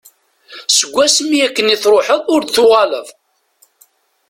Seg wasmi akken i truḥeḍ ur d-tuɣaleḍ.